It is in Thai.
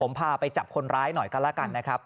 ผมพาไปจับคนร้ายหน่อยกันแล้วกันนะครับ